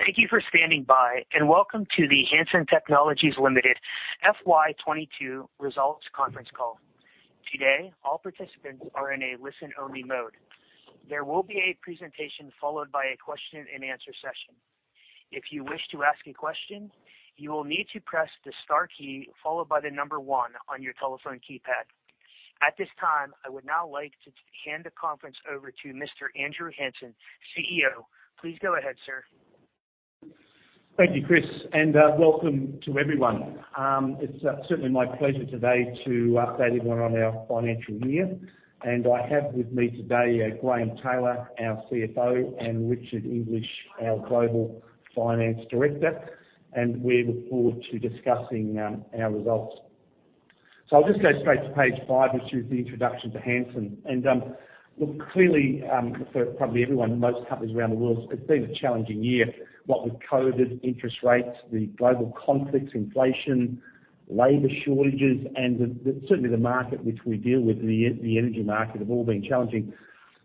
Thank you for standing by and welcome to the Hansen Technologies Limited FY22 Results Conference Call. Today, all participants are in a listen-only mode. There will be a presentation followed by a question-and-answer session. If you wish to ask a question, you will need to press the star key followed by the number one on your telephone keypad. At this time, I would now like to hand the conference over to Mr. Andrew Hansen, CEO. Please go ahead, sir. Thank you, Chris, and welcome to everyone. It's certainly my pleasure today to update everyone on our financial year. I have with me today Graeme Taylor, our CFO, and Richard English, our Global Finance Director, and we look forward to discussing our results. I'll just go straight to page five, which is the introduction to Hansen. Look, clearly, for probably everyone, most companies around the world, it's been a challenging year, what with COVID, interest rates, the global conflicts, inflation, labor shortages, and the market which we deal with, the energy market have all been challenging.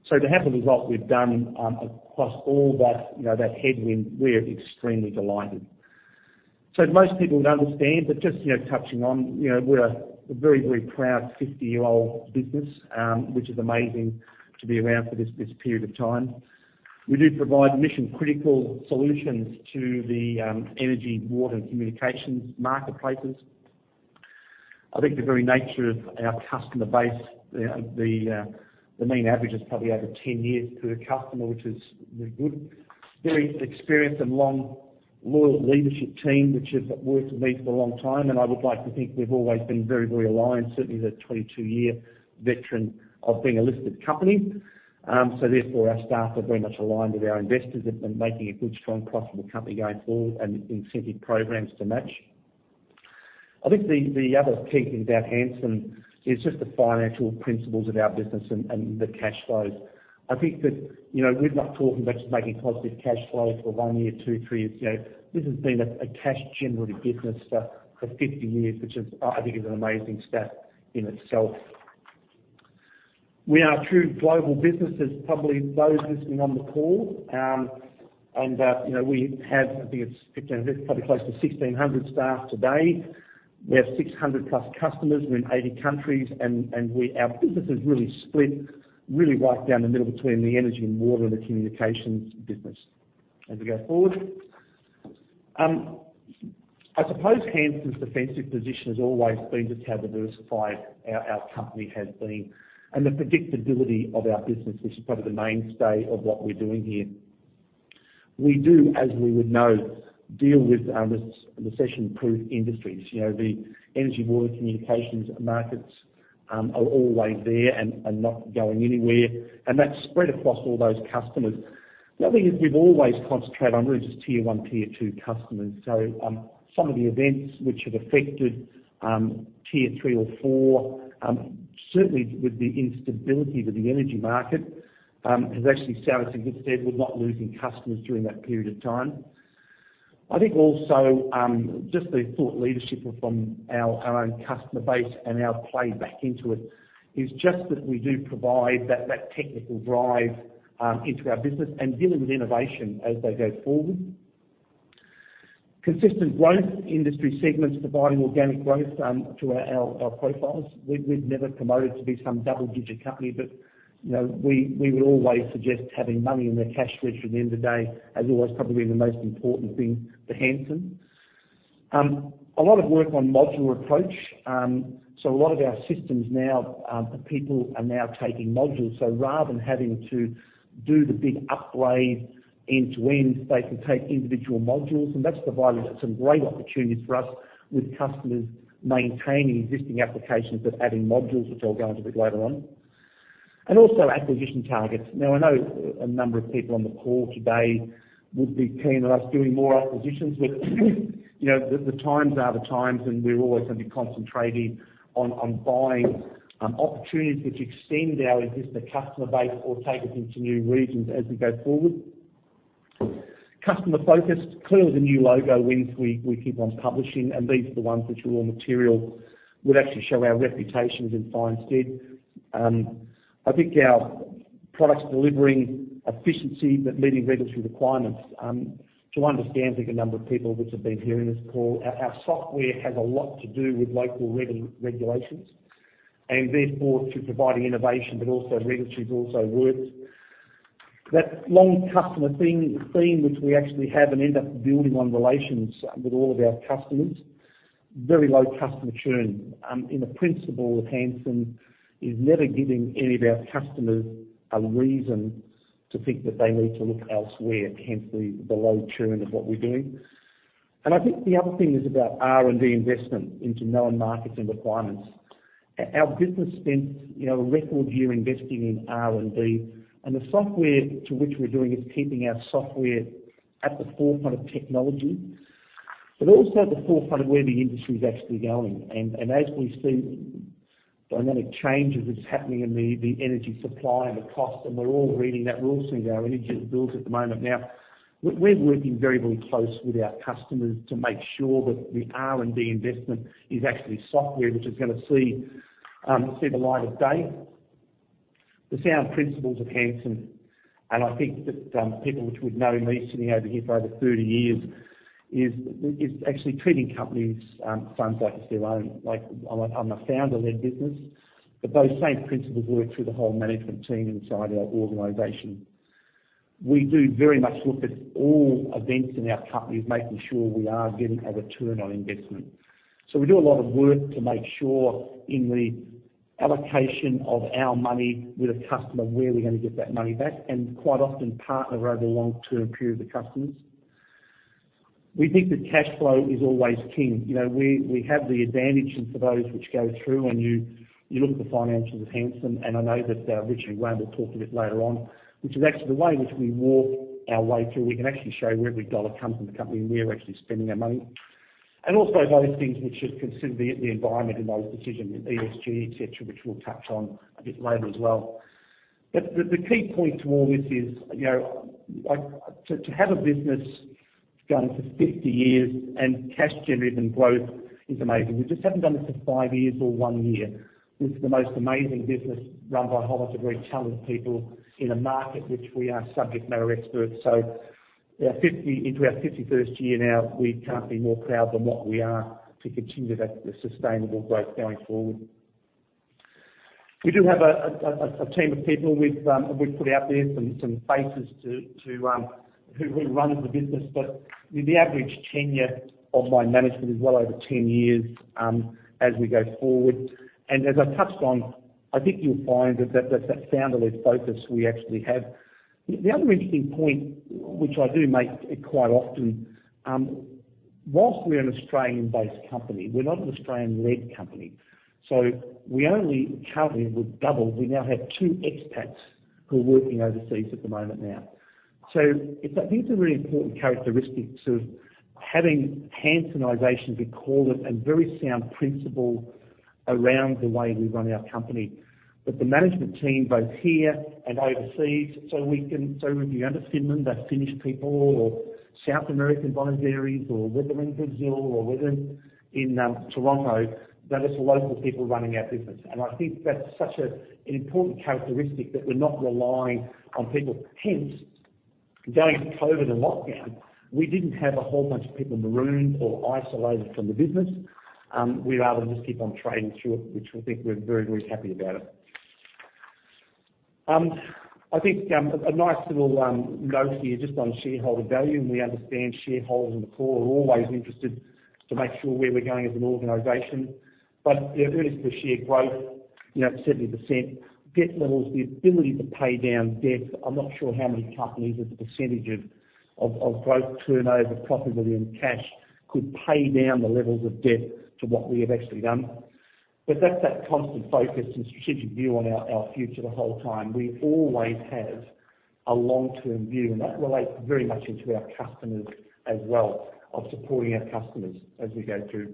To have the result we've done across all that, you know, that headwind, we're extremely delighted. Most people would understand. Just, you know, touching on, you know, we're a very, very proud 50-year-old business, which is amazing to be around for this period of time. We do provide mission-critical solutions to the energy, water, and communications marketplaces. I think the very nature of our customer base, the mean average is probably over 10 years per customer, which is really good. Very experienced and long loyal leadership team, which have worked with me for a long time, and I would like to think we've always been very, very aligned, certainly as a 22-year veteran of being a listed company. Therefore, our staff are very much aligned with our investors in making a good, strong, profitable company going forward and incentive programs to match. I think the other key thing about Hansen is just the financial principles of our business and the cash flows. I think that, you know, we're not talking about just making positive cash flow for one year, two, three years. You know, this has been a cash generative business for 50 years, which I think is an amazing stat in itself. We are a true global business as probably those listening on the call. You know, we have, I think it's probably close to 1,600 staff today. We have 600+ customers. We're in 80 countries and our business is really split, really right down the middle between the energy and water and the communications business. As we go forward. I suppose Hansen's defensive position has always been just how diversified our company has been and the predictability of our business, which is probably the mainstay of what we're doing here. We do, as we would know, deal with recession-proof industries. You know, the energy, water, communications markets are always there and not going anywhere, and that's spread across all those customers. The other thing is we've always concentrated on really just tier one, tier two customers. Some of the events which have affected tier three or four certainly with the instability with the energy market has actually served us in good stead with not losing customers during that period of time. I think also, just the thought leadership from our own customer base and our play back into it is just that we do provide that technical drive into our business and dealing with innovation as they go forward. Consistent growth industry segments providing organic growth to our profiles. We've never promoted to be some double-digit company but, you know, we would always suggest having money in the cash register at the end of the day as always probably the most important thing for Hansen. A lot of work on modular approach. So a lot of our systems now, people are now taking modules. Rather than having to do the big upgrade end to end, they can take individual modules and that's provided some great opportunities for us with customers maintaining existing applications but adding modules, which I'll go into a bit later on. Also acquisition targets. Now, I know a number of people on the call today would be keen on us doing more acquisitions. You know, the times are the times, and we're always going to be concentrating on buying opportunities which extend our existing customer base or take us into new regions as we go forward. Customer focused. Clearly, the new logo wins we keep on publishing, and these are the ones which are material would actually stand our reputation in good stead. I think our products delivering efficiency but meeting regulatory requirements, to understand, I think a number of people which have been hearing this call, our software has a lot to do with local regulations and therefore to providing innovation, but also regulatory is also worth. That long customer theme, which we actually have and end up building on relations with all of our customers. Very low customer churn. In the principle of Hansen is never giving any of our customers a reason to think that they need to look elsewhere, hence the low churn of what we're doing. I think the other thing is about R&D investment into known markets and requirements. Our business spent a record year investing in R&D. The software to which we're doing is keeping our software at the forefront of technology, but also at the forefront of where the industry is actually going. As we see dynamic changes that's happening in the energy supply and the cost, and we're all reading that. We're all seeing our energy bills at the moment. Now, we're working very close with our customers to make sure that the R&D investment is actually software which is gonna see the light of day. The sound principles of Hansen, and I think that people which would know me sitting over here for over 30 years is actually treating companies' funds like it's their own. Like I'm a founder-led business, but those same principles work through the whole management team inside our organization. We do very much look at all events in our company, making sure we are getting a return on investment. We do a lot of work to make sure in the allocation of our money with a customer, where we're gonna get that money back, and quite often partner over long-term period with customers. We think that cash flow is always king. You know, we have the advantage, and for those which go through and you look at the financials of Hansen, and I know that Richard and Graeme will talk a bit later on, which is actually the way in which we walk our way through. We can actually show you where every dollar comes in the company and where we're actually spending our money. Also those things which should consider the environment in those decisions, ESG, et cetera, which we'll touch on a bit later as well. The key point to all this is, you know, to have a business going for 50 years and cash generation growth is amazing. We just haven't done this for five years or one year. This is the most amazing business run by a whole bunch of very talented people in a market which we are subject matter experts. Our 50 into our 51st year now, we can't be more proud than what we are to continue that sustainable growth going forward. We do have a team of people. We've put out there some faces to who run the business. The average tenure of my management is well over 10 years as we go forward. As I touched on, I think you'll find that founder-led focus we actually have. The other interesting point, which I do make quite often, while we're an Australian-based company, we're not an Australian-led company, so we only currently, we've doubled. We now have two expats who are working overseas at the moment now. It's like, these are really important characteristics of having Hansenization, we call it, a very sound principle around the way we run our company. The management team, both here and overseas, if you understand them, they're Finnish people or South American born Jews or whether in Brazil or whether in Toronto, that it's the local people running our business. I think that's such an important characteristic that we're not relying on people. Hence, going into COVID and lockdown, we didn't have a whole bunch of people marooned or isolated from the business. We were able to just keep on trading through it, which we think we're very, very happy about it. I think a nice little note here just on shareholder value, and we understand shareholders on the call are always interested to make sure where we're going as an organization. If it is the share growth, you know, 70%, debt levels, the ability to pay down debt. I'm not sure how many companies as a percentage of growth, turnover, profitability, and cash could pay down the levels of debt to what we have actually done. That's the constant focus and strategic view on our future the whole time. We always have a long-term view, and that relates very much into our customers as well, of supporting our customers as we go through.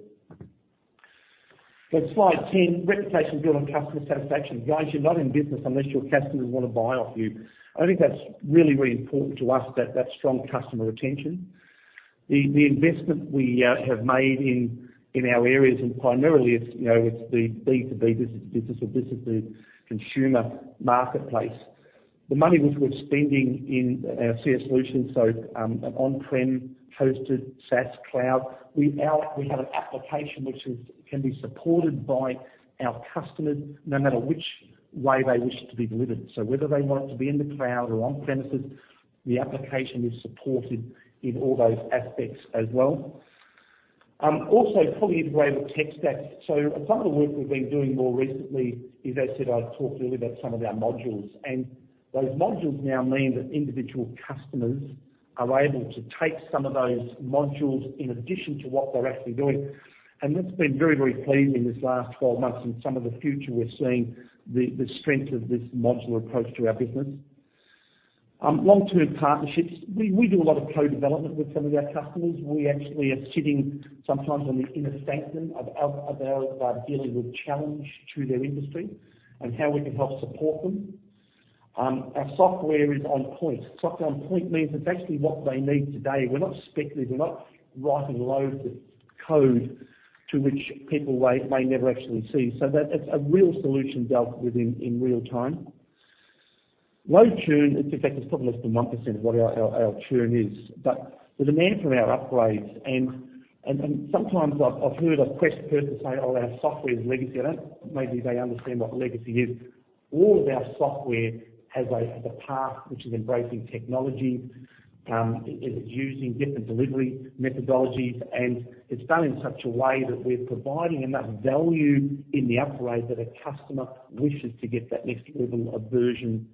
Slide 10, reputation built on customer satisfaction. Guys, you're not in business unless your customers wanna buy from you. I think that's really, really important to us, that strong customer retention. The investment we have made in our areas and primarily it's, you know, it's the B2B business to business or B2C consumer marketplace. The money which we're spending in our CS solutions, an on-prem, hosted, SaaS, cloud, we now have an application which can be supported by our customers no matter which way they wish it to be delivered. Whether they want it to be in the cloud or on premises, the application is supported in all those aspects as well. Also fully integrated tech stack. Some of the work we've been doing more recently is, as I said, I talked earlier about some of our modules, and those modules now mean that individual customers are able to take some of those modules in addition to what they're actually doing. That's been very, very pleasing in this last 12 months and some of the future we're seeing the strength of this modular approach to our business. Long-term partnerships. We do a lot of co-development with some of our customers. We actually are sitting sometimes on the inner sanctum of their dealing with challenges to their industry and how we can help support them. Our software is on point. Software on point means that basically what they need today, we're not speculative, we're not writing loads of code to which people may never actually see. That's a real solution dealt with in real time. Low churn, in fact, it's probably less than 1% of what our churn is. The demand for our upgrades and sometimes I've heard a press person say, "Oh, our software is legacy." I don't. Maybe they understand what legacy is. All of our software has a path which is embracing technology. It is using different delivery methodologies, and it's done in such a way that we're providing enough value in the upgrade that a customer wishes to get that next level of version of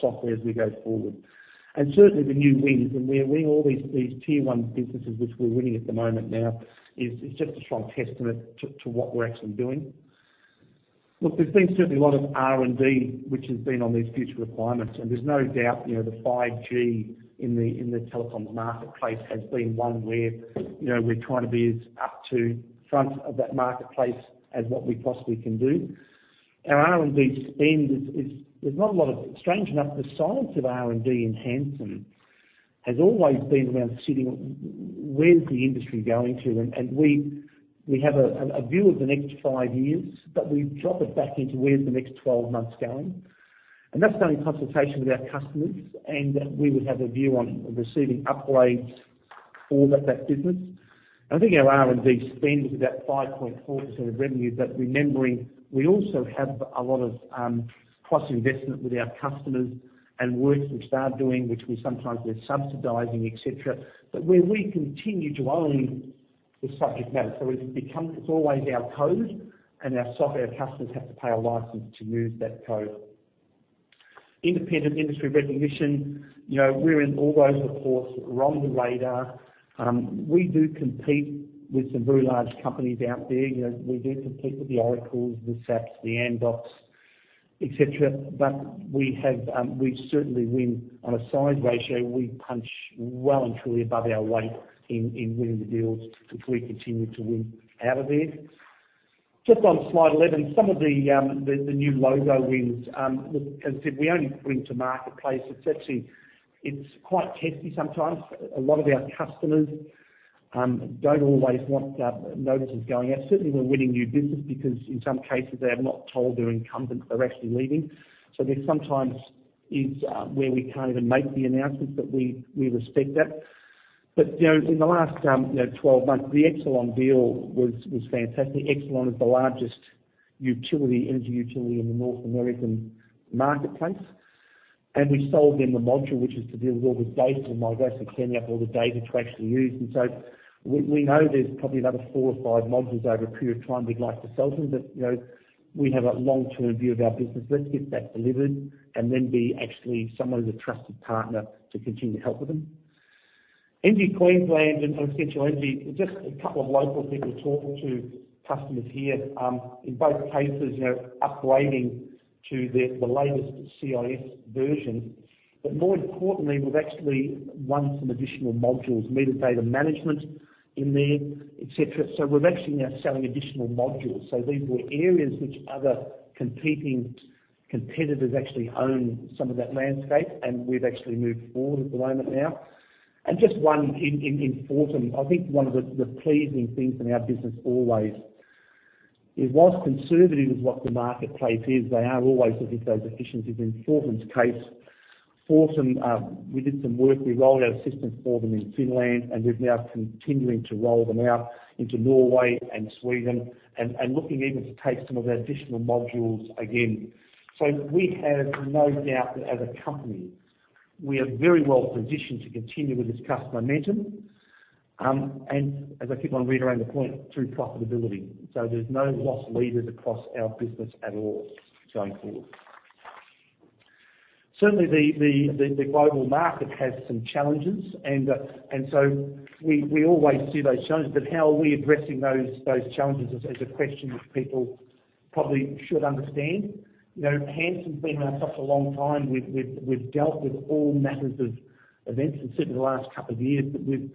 software as we go forward. Certainly the new wins, and we are winning all these these tier one businesses, which we're winning at the moment now is just a strong testament to what we're actually doing. Look, there's been certainly a lot of R&D which has been on these future requirements, and there's no doubt, you know, the 5G in the telecom marketplace has been one where, you know, we're trying to be as up to front of that marketplace as what we possibly can do. Our R&D spend is there's not a lot of it. Strange enough, the science of R&D in Hansen has always been around sitting, where's the industry going to? We have a view of the next five years, but we drop it back into where's the next 12 months going. That's done in consultation with our customers, and we would have a view on receiving upgrades for that business. I think our R&D spend is about 5.4% of revenue, but remembering we also have a lot of cross-investment with our customers and work which they are doing, which we sometimes subsidize, et cetera. Where we continue to own the subject matter. It's always our code and our software customers have to pay a license to use that code. Independent industry recognition, you know, we're in all those reports. We're on the radar. We do compete with some very large companies out there. You know, we do compete with the Oracles, the SAPs, the Amdocs, et cetera. We have, we certainly win on a size ratio. We punch well and truly above our weight in winning the deals, which we continue to win out of there. Just on slide 11, some of the the new logo wins. As I said, we only bring to marketplace. It's actually quite testy sometimes. A lot of our customers don't always want notices going out. Certainly, we're winning new business because in some cases, they have not told their incumbents they're actually leaving. So there sometimes is where we can't even make the announcements, but we respect that. You know, in the last 12 months, the Exelon deal was fantastic. Exelon is the largest utility, energy utility in the North American marketplace. We sold them a module, which is to deal with all the data migration, cleaning up all the data to actually use. We know there's probably another four or five modules over a period of time we'd like to sell to them. You know, we have a long-term view of our business. Let's get that delivered and then be actually someone who's a trusted partner to continue to help them. Energy Queensland and Essential Energy are just a couple of local people talking to customers here, in both cases, you know, upgrading to the latest CIS version. More importantly, we've actually won some additional modules, metadata management in there, et cetera. We're actually now selling additional modules. These were areas which other competing competitors actually own some of that landscape, and we've actually moved forward at the moment now. Just one in Fortum. I think one of the pleasing things in our business always is, whilst conservative is what the marketplace is, they are always looking for those efficiencies. In Fortum's case, Fortum, we did some work. We rolled our systems for them in Finland, and we're now continuing to roll them out into Norway and Sweden and looking even to take some of our additional modules again. We have no doubt that as a company, we are very well positioned to continue with this momentum, and as I keep on reiterating the point, through profitability. There's no loss leaders across our business at all going forward. Certainly the global market has some challenges, and so we always see those challenges, but how are we addressing those challenges is a question which people probably should understand. You know, Hansen's been around for such a long time. We've dealt with all manners of events and certainly the last couple of years. We've,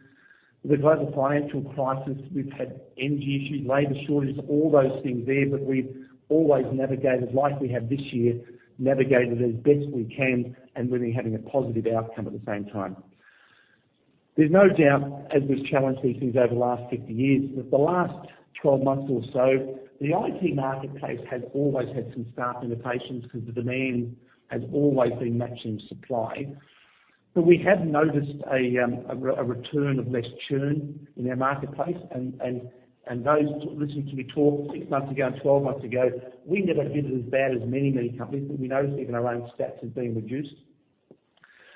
with the global financial crisis, we've had energy issues, labor shortages, all those things there. We've always navigated, like we have this year, navigated as best we can and really having a positive outcome at the same time. There's no doubt, as we've challenged these things over the last 50 years, that the last 12 months or so, the IT marketplace has always had some staff limitations because the demand has always been matching supply. We have noticed a return of less churn in our marketplace. Those listening to me talk six months ago and 12 months ago, we never did it as bad as many companies, but we noticed even our own stats have been reduced.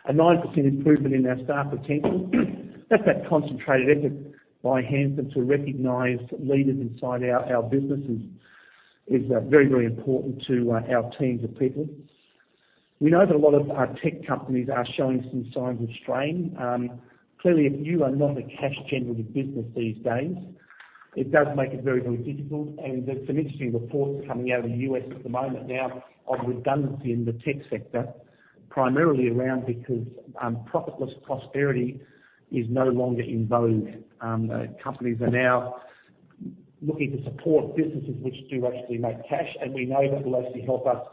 A 9% improvement in our staff retention. That's that concentrated effort by Hansen to recognize leaders inside our businesses is very important to our teams of people. We know that a lot of our tech companies are showing some signs of strain. Clearly, if you are not a cash generative business these days, it does make it very difficult. There's some interesting reports coming out of the U.S. at the moment now of redundancy in the tech sector, primarily around because profitless prosperity is no longer in vogue. Companies are now looking to support businesses which do actually make cash, and we know that will actually help us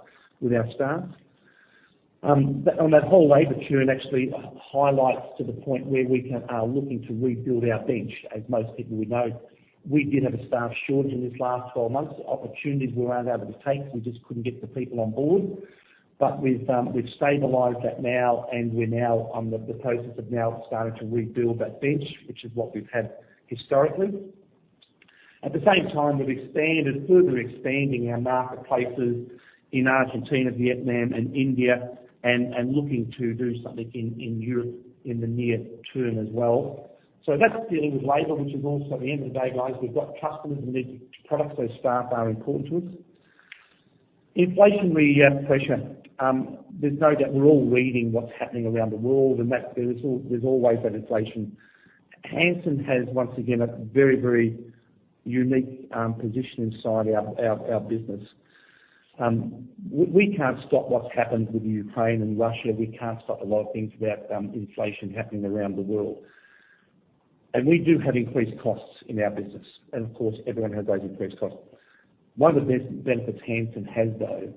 with our staff. On that whole labor churn actually highlights to the point where we are looking to rebuild our bench, as most people would know. We did have a staff shortage in this last 12 months. Opportunities we weren't able to take, we just couldn't get the people on board. We've stabilized that now, and we're now on the process of now starting to rebuild that bench, which is what we've had historically. At the same time, we've expanded, further expanding our marketplaces in Argentina, Vietnam, and India, and looking to do something in Europe in the near term as well. That's dealing with labor, which is also at the end of the day, guys, we've got customers who need products, so staff are important to us. Inflationary pressure. There's no doubt we're all reading what's happening around the world, and there's always that inflation. Hansen has, once again, a very unique position inside our business. We can't stop what's happened with Ukraine and Russia. We can't stop a lot of things about inflation happening around the world. We do have increased costs in our business and of course everyone has those increased costs. One of the benefits Hansen has though,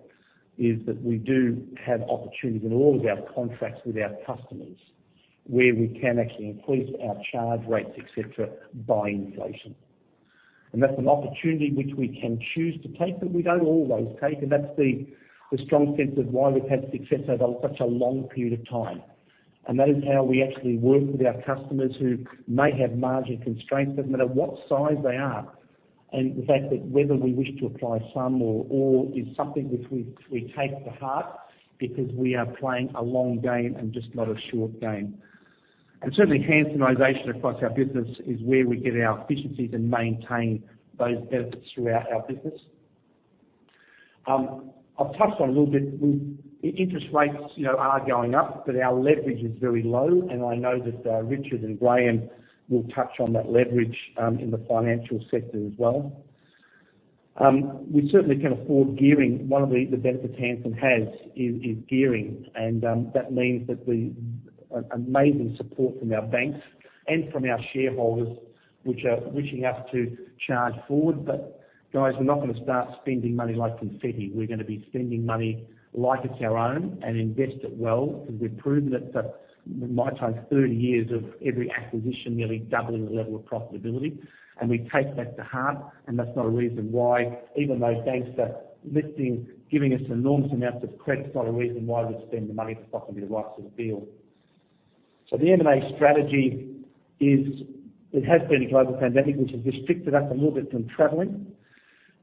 is that we do have opportunities in all of our contracts with our customers where we can actually increase our charge rates, et cetera, by inflation. That's an opportunity which we can choose to take, but we don't always take. That's the strong sense of why we've had success over such a long period of time. That is how we actually work with our customers who may have margin constraints, doesn't matter what size they are. The fact that whether we wish to apply some or all is something which we take to heart because we are playing a long game and just not a short game. Certainly Hansenization across our business is where we get our efficiencies and maintain those benefits throughout our business. I've touched on a little bit with interest rates, you know, are going up, but our leverage is very low. I know that Richard and Graeme will touch on that leverage in the financial section as well. We certainly can afford gearing. One of the benefits Hansen has is gearing, and that means that we have amazing support from our banks and from our shareholders which are wishing us to charge forward. Guys, we're not gonna start spending money like confetti. We're gonna be spending money like it's our own and invest it well, 'cause we've proven that my time, 30 years of every acquisition nearly doubling the level of profitability, and we take that to heart. That's not a reason why, even though banks are lending, giving us enormous amounts of credit, it's not a reason why we'd spend the money if it's not gonna be the right sort of deal. The M&A strategy is, it has been a global pandemic, which has restricted us a little bit from traveling.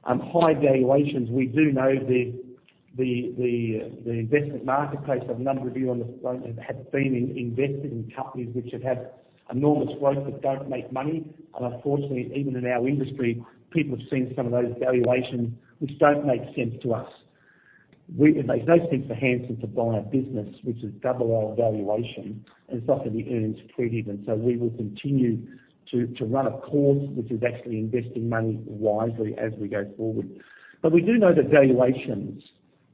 High valuations, we do know the investment marketplace, there's a number of you on the phone have been invested in companies which have had enormous growth but don't make money. Unfortunately, even in our industry, people have seen some of those valuations which don't make sense to us. It makes no sense for Hansen to buy a business which is double our valuation and it's not accretive. We will continue to run a course which is actually investing money wisely as we go forward. We do know that valuations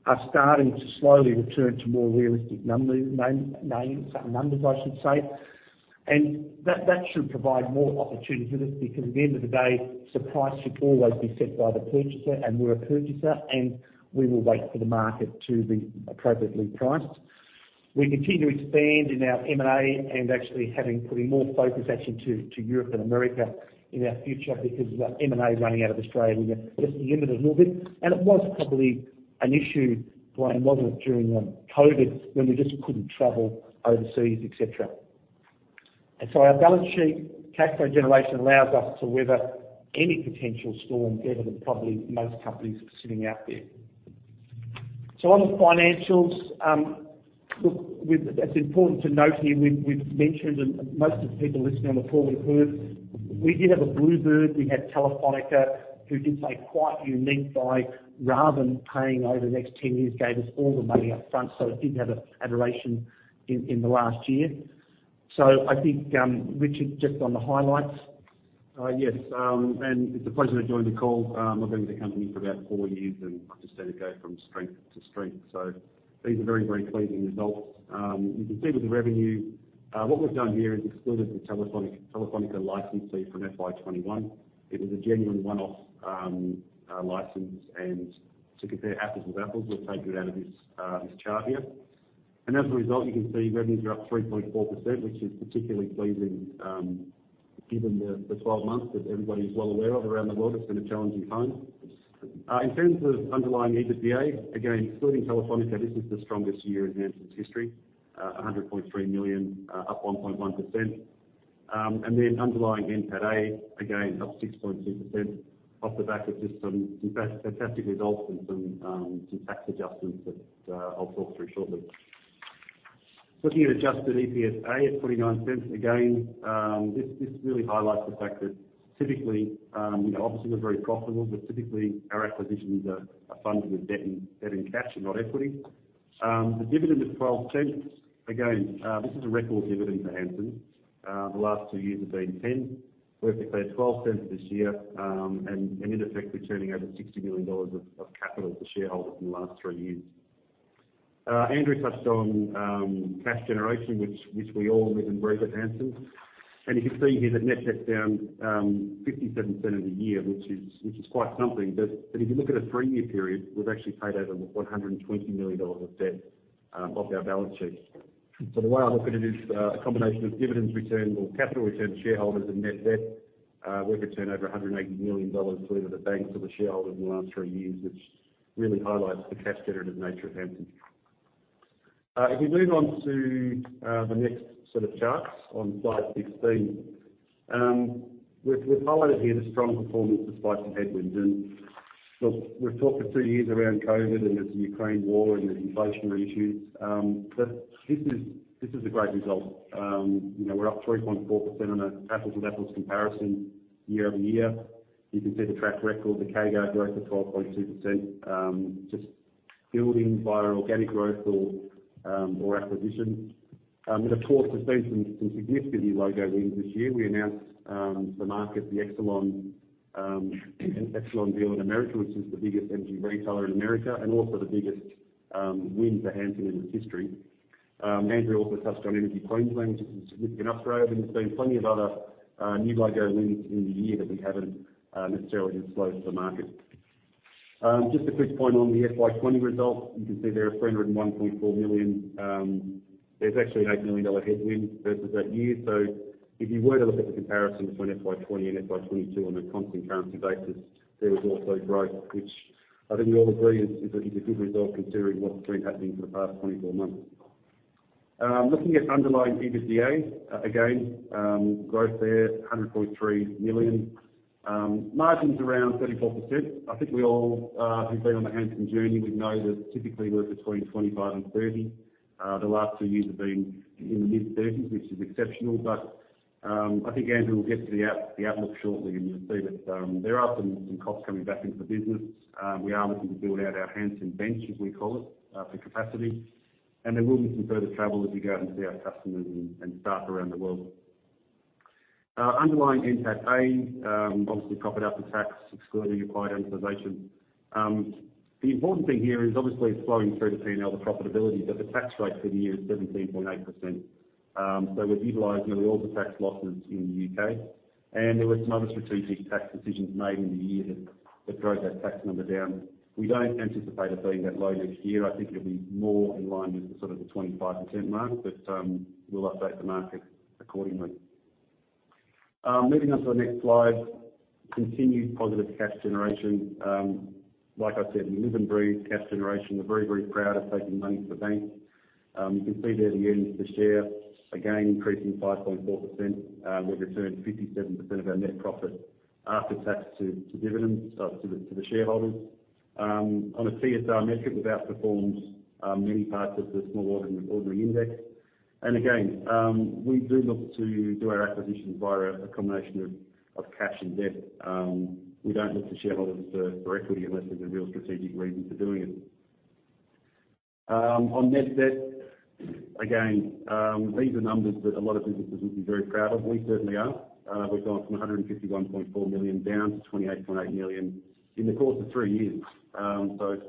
are starting to slowly return to more realistic numbers, I should say. That should provide more opportunity for this because at the end of the day, the price should always be set by the purchaser, and we're a purchaser, and we will wait for the market to be appropriately priced. We continue to expand in our M&A and putting more focus actually to Europe and America in our future because M&A running out of Australia, we are just limited a little bit. It was probably an issue, Graeme, wasn't it, during COVID, when we just couldn't travel overseas, et cetera. Our balance sheet cash flow generation allows us to weather any potential storm better than probably most companies sitting out there. On the financials, look, it's important to note here, we've mentioned and most of the people listening on the call have heard, we did have a bluebird. We had Telefónica, who did say quite unique by rather than paying over the next 10 years, gave us all the money up front. It did have a aberration in the last year. I think, Richard, just on the highlights. Yes, it's a pleasure to join the call. I've been with the company for about four years, and I've just seen it go from strength to strength. These are very, very pleasing results. You can see with the revenue, what we've done here is excluded the Telefónica licensee from FY21. It was a genuine one-off license and to compare apples with apples, we've taken it out of this chart here. As a result, you can see revenues are up 3.4%, which is particularly pleasing, given the 12 months that everybody is well aware of around the world. It's been a challenging time. In terms of underlying EBITDA, again, excluding Telefónica, this is the strongest year in Hansen's history. 100.3 million, up 1.1%. Underlying NPATA, again up 6.2% off the back of just some fantastic results and some tax adjustments that I'll talk through shortly. Looking at adjusted EPSA at 0.49, again, this really highlights the fact that typically, you know, obviously we're very profitable, but typically our acquisitions are funded with debt and cash and not equity. The dividend of 0.12, again, this is a record dividend for Hansen. The last two years have been 10. We've declared 0.12 this year, and in effect, returning over 60 million dollars of capital to shareholders in the last three years. Andrew touched on cash generation which we all live and breathe at Hansen. You can see here that net debt's down 57% of the year, which is quite something. If you look at a three-year period, we've actually paid over 120 million dollars of debt off our balance sheet. The way I look at it is a combination of dividends returned or capital returned to shareholders and net debt. We could turn over 180 million dollars delivered to banks or the shareholders in the last three years, which really highlights the cash generative nature of Hansen. If you move on to the next set of charts on slide 16, we've highlighted here the strong performance despite some headwinds. Look, we've talked for two years around COVID and there's the Ukraine war and there's inflationary issues. This is a great result. You know, we're up 3.4% on an apples-to-apples comparison quarter-over-quarter. You can see the track record, the CAGR growth of 12.2%, just building via organic growth or acquisition. And of course, there's been some significant new logo wins this year. We announced to the market the Exelon deal in America, which is the biggest energy retailer in America and also the biggest win for Hansen in its history. Andrew also touched on Energy Queensland, which is a significant upgrade, and there's been plenty of other new logo wins in the year that we haven't necessarily disclosed to the market. Just a quick point on the FY20 result. You can see there 301.4 million. There's actually an 8 million dollar headwind versus that year. If you were to look at the comparison between FY20 and FY22 on a constant currency basis, there was also growth, which I think we all agree is a good result considering what's been happening for the past 24 months. Looking at underlying EBITDA, again, growth there, 100.3 million. Margins around 34%. I think we all who've been on the Hansen journey would know that typically we're between 25 and 30. The last two years have been in the mid-30s, which is exceptional. I think Andrew will get to the outlook shortly, and you'll see that there are some costs coming back into the business. We are looking to build out our Hansen bench, as we call it, for capacity. There will be some further travel as we go out and see our customers and staff around the world. Underlying NPATA, obviously profit after tax excluding acquired amortization. The important thing here is obviously it's flowing through to P&L, the profitability, but the tax rate for the year is 17.8%. We've utilized nearly all the tax losses in the UK, and there were some other strategic tax decisions made in the year that drove that tax number down. We don't anticipate it being that low next year. I think it'll be more in line with the sort of 25% mark, but we'll update the market accordingly. Moving on to the next slide. Continued positive cash generation. Like I said, we live and breathe cash generation. We're very, very proud of taking money to the bank. You can see there the earnings per share, again, increasing 5.4%. We've returned 57% of our net profit after tax to dividends to the shareholders. On a TSR measure, we've outperformed many parts of the Small Ordinaries Index. We do look to do our acquisitions via a combination of cash and debt. We don't look to shareholders for equity unless there's a real strategic reason for doing it. On net debt, again, these are numbers that a lot of businesses would be very proud of. We certainly are. We've gone from 151.4 million down to 28.8 million in the course of three years. So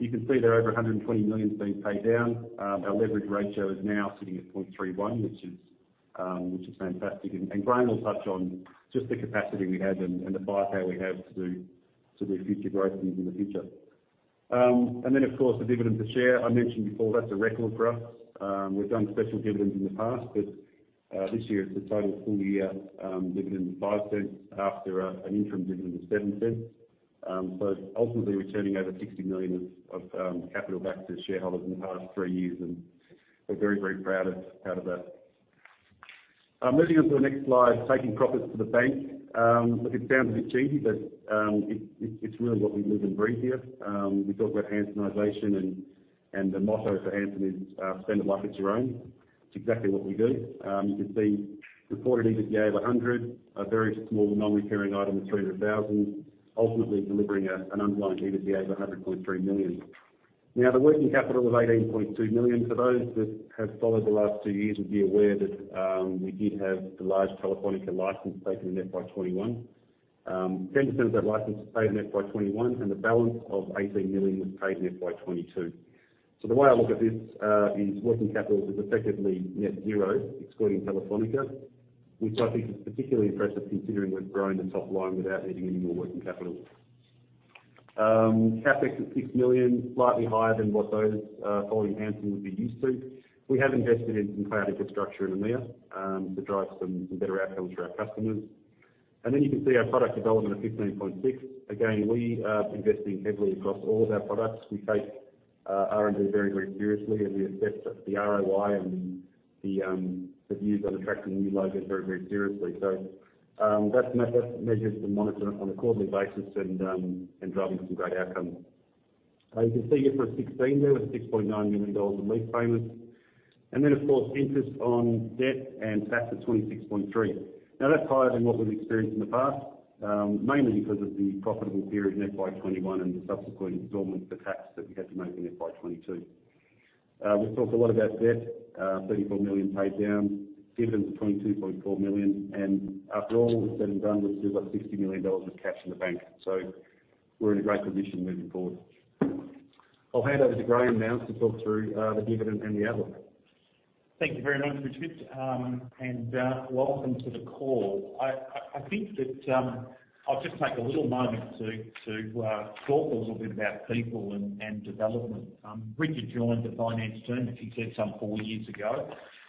you can see there over 120 million has been paid down. Our leverage ratio is now sitting at 0.31, which is fantastic. Graeme will touch on the capacity we have and the firepower we have to do future growth deals in the future. Then, of course, the dividend per share. I mentioned before, that's a record for us. We've done special dividends in the past, but this year it's a total full year dividend of 0.05 after an interim dividend of 0.07. Ultimately returning over 60 million of capital back to shareholders in the past three years, and we're very proud of that. Moving on to the next slide, taking profits to the bank. Look, it sounds a bit cheesy, but it's really what we live and breathe here. We talk about Hansenization and the motto for Hansen is "Spend it like it's your own." It's exactly what we do. You can see reported EBITDA of 100, a very small non-recurring item of 300,000, ultimately delivering an underlying EBITDA of 100.3 million. Now the working capital of 18.2 million, for those that have followed the last two years would be aware that we did have the large Telefónica license taken in FY21. 10% of that license was paid in FY21, and the balance of 18 million was paid in FY22. The way I look at this is working capital is effectively net zero excluding Telefónica, which I think is particularly impressive considering we've grown the top line without needing any more working capital. CapEx at 6 million, slightly higher than what those following Hansen would be used to. We have invested in some cloud infrastructure in EMEA to drive some better outcomes for our customers. You can see our product development of 15.6 million. Again, we are investing heavily across all of our products. We take R&D very, very seriously, and we assess the ROI and the views on attracting new logos very, very seriously. That's measured and monitored on a quarterly basis and driving some great outcomes. You can see here for FY16 there with 6.9 million dollars in lease payments. Then, of course, interest on debt and tax of 26.3 million. Now that's higher than what we've experienced in the past, mainly because of the profitable period in FY21 and the subsequent installment for tax that we had to make in FY22. We've talked a lot about debt, 34 million paid down. Dividends of 22.4 million. After all was said and done, we've still got 60 million dollars of cash in the bank. We're in a great position moving forward. I'll hand over to Graeme now to talk through the dividend and the outlook. Thank you very much, Richard. Welcome to the call. I think that I'll just take a little moment to talk a little bit about people and development. Richard joined the finance team, as he said, some four years ago,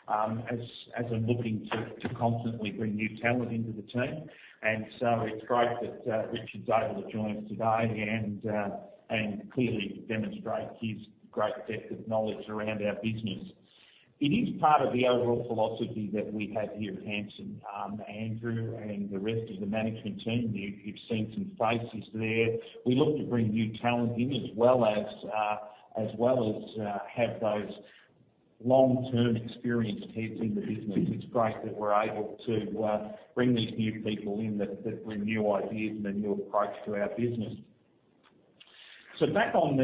as I'm looking to constantly bring new talent into the team. It's great that Richard's able to join us today and clearly demonstrate his great depth of knowledge around our business. It is part of the overall philosophy that we have here at Hansen. Andrew and the rest of the management team, you've seen some faces there. We look to bring new talent in as well as have those long-term experienced heads in the business. It's great that we're able to bring these new people in that bring new ideas and a new approach to our business. Back on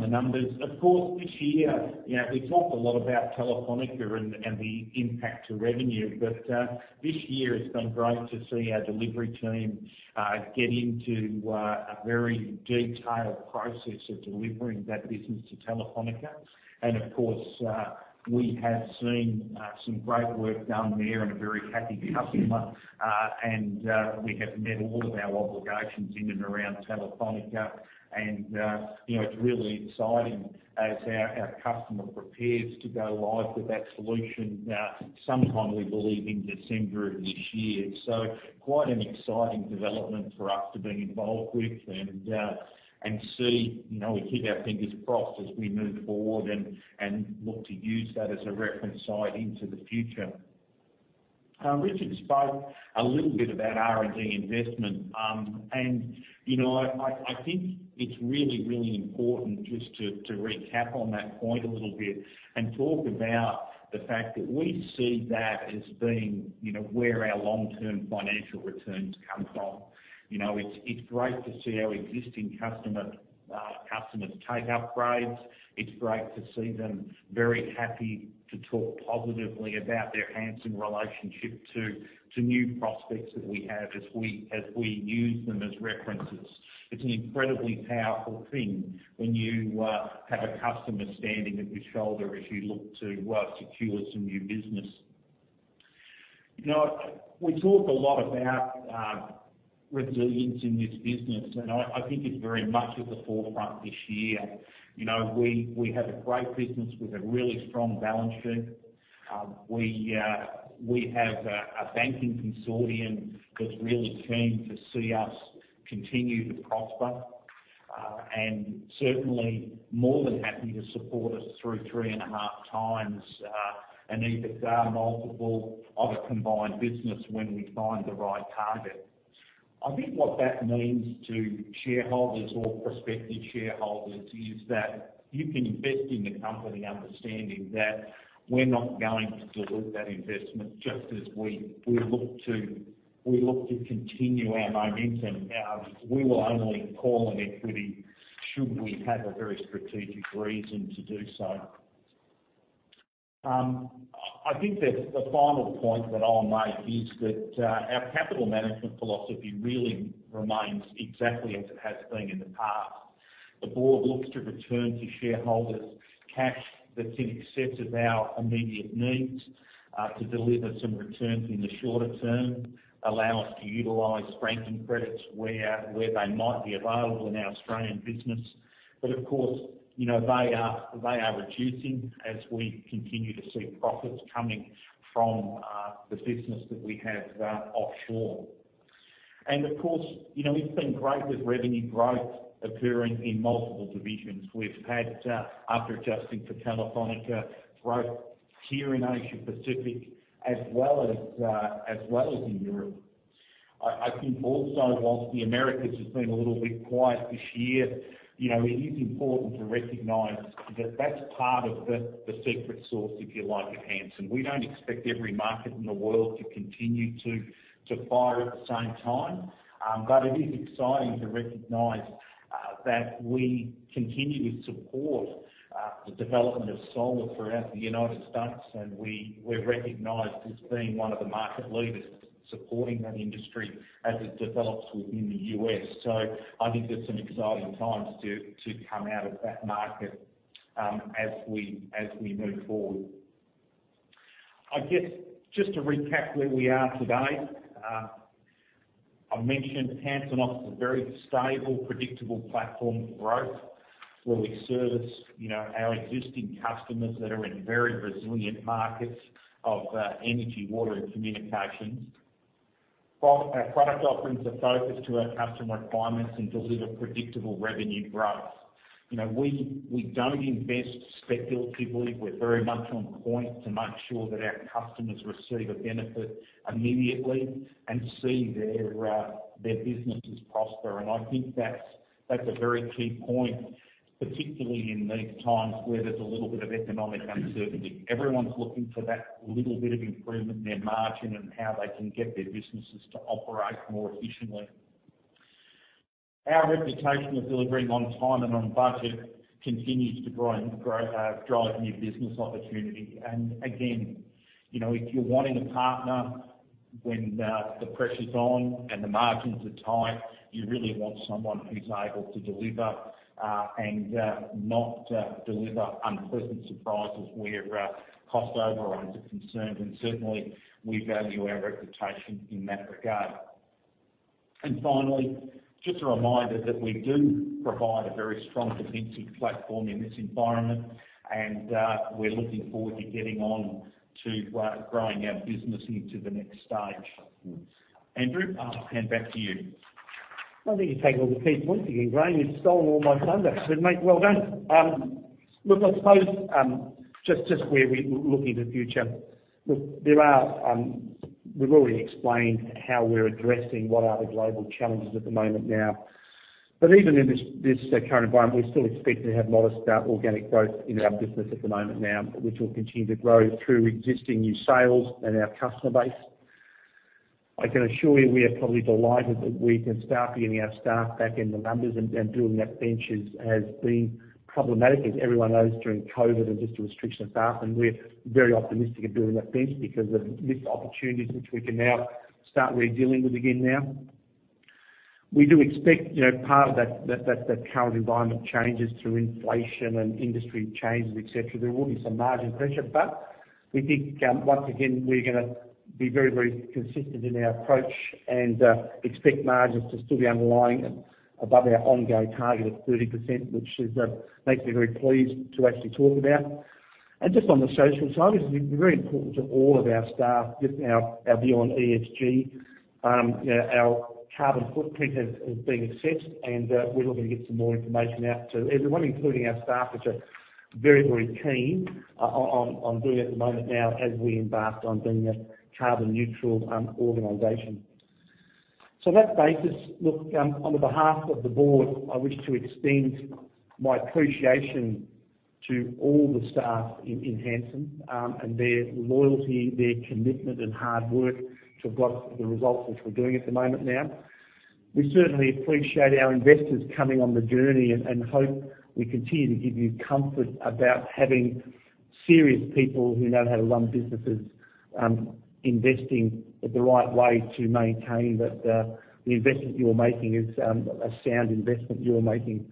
the numbers. Of course, this year, you know, we've talked a lot about Telefónica and the impact to revenue. This year it's been great to see our delivery team get into a very detailed process of delivering that business to Telefónica. Of course, we have seen some great work done there and a very happy customer. We have met all of our obligations in and around Telefónica and, you know, it's really exciting as our customer prepares to go live with that solution sometime we believe in December of this year. Quite an exciting development for us to be involved with and see. You know, we keep our fingers crossed as we move forward and look to use that as a reference site into the future. Richard spoke a little bit about R&D investment. You know, I think it's really, really important just to recap on that point a little bit and talk about the fact that we see that as being, you know, where our long-term financial returns come from. You know, it's great to see our existing customers take upgrades. It's great to see them very happy to talk positively about their Hansen relationship to new prospects that we have as we use them as references. It's an incredibly powerful thing when you have a customer standing at your shoulder as you look to secure some new business. You know, we talk a lot about resilience in this business, and I think it's very much at the forefront this year. You know, we have a great business with a really strong balance sheet. We have a banking consortium that's really keen to see us continue to prosper, and certainly more than happy to support us through 3.5x EBITDA multiple of a combined business when we find the right target. I think what that means to shareholders or prospective shareholders is that you can invest in the company understanding that we're not going to dilute that investment just as we look to continue our momentum. We will only call on equity should we have a very strategic reason to do so. I think that the final point that I'll make is that our capital management philosophy really remains exactly as it has been in the past. The board looks to return to shareholders cash that's in excess of our immediate needs to deliver some returns in the shorter term, allow us to utilize franking credits where they might be available in our Australian business. But of course, you know, they are reducing as we continue to see profits coming from the business that we have offshore. Of course, you know, it's been great with revenue growth occurring in multiple divisions. We've had, after adjusting for Telefónica, growth here in Asia Pacific as well as in Europe. I think also, while the Americas has been a little bit quiet this year, you know, it is important to recognize that that's part of the secret sauce, if you like, at Hansen. We don't expect every market in the world to continue to fire at the same time. But it is exciting to recognize that we continue to support the development of solar throughout the United States. We're recognized as being one of the market leaders supporting that industry as it develops within the US. I think there's some exciting times to come out of that market, as we move forward. I guess just to recap where we are today. I mentioned Hansen offers a very stable, predictable platform for growth, where we service, you know, our existing customers that are in very resilient markets of energy, water and communications. Our product offerings are focused to our customer requirements and deliver predictable revenue growth. You know, we don't invest speculatively. We're very much on point to make sure that our customers receive a benefit immediately and see their businesses prosper. I think that's a very key point, particularly in these times where there's a little bit of economic uncertainty. Everyone's looking for that little bit of improvement in their margin and how they can get their businesses to operate more efficiently. Our reputation of delivering on time and on budget continues to grow and grow, drive new business opportunity. Again, you know, if you're wanting a partner when the pressure's on and the margins are tight, you really want someone who's able to deliver and not deliver unpleasant surprises where cost overruns are concerned. Certainly we value our reputation in that regard. Finally, just a reminder that we do provide a very strong defensive platform in this environment, and we're looking forward to getting on to growing our business into the next stage. Andrew, hand back to you. I think you've taken all the key points again, Graeme. You've stolen all my thunder. Good mate, well done. Look, I suppose, just where we're looking to the future. Look, there are, we've already explained how we're addressing what are the global challenges at the moment now. But even in this current environment, we still expect to have modest organic growth in our business at the moment now, which will continue to grow through existing new sales and our customer base. I can assure you, we are probably delighted that we can start getting our staff back in the numbers and building that bench has been problematic, as everyone knows, during COVID and just the restriction of staff. We're very optimistic of building that bench because of missed opportunities which we can now start re-dealing with again now. We do expect, you know, part of that current environment changes through inflation and industry changes, et cetera. There will be some margin pressure, but we think once again, we're gonna be very consistent in our approach and expect margins to still be underlying above our ongoing target of 30%, which makes me very pleased to actually talk about. Just on the social side, this is very important to all of our staff, just our view on ESG. You know, our carbon footprint has been assessed, and we're looking to get some more information out to everyone, including our staff, which are very keen on doing it at the moment now as we embark on being a carbon neutral organization. On that basis, look, on behalf of the board, I wish to extend my appreciation to all the staff in Hansen and their loyalty, their commitment, and hard work to have got the results which we're doing at the moment now. We certainly appreciate our investors coming on the journey and hope we continue to give you comfort about having serious people who know how to run businesses, investing the right way to maintain that the investment you're making is a sound investment you're making.